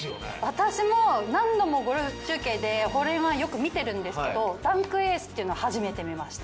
私も何度もゴルフ中継でホールインワンよく見てるんですけどダンクエースっていうのは初めて見ました。